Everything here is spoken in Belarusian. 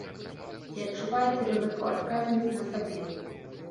Ці адчуваеце вы гэту адказнасць на сабе?